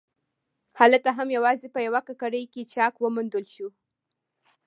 هلته هم یوازې په یوه ککرۍ کې چاک وموندل شو.